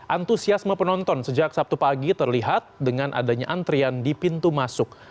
antusiasme penonton sejak sabtu pagi terlihat dengan adanya antrian di pintu masuk